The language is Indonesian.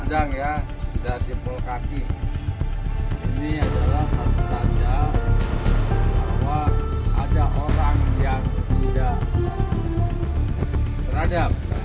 ini adalah satu tanda bahwa ada orang yang tidak beradab